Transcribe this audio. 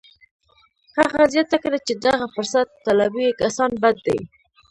هغه زیاته کړه چې دغه فرصت طلبي کسان بد دي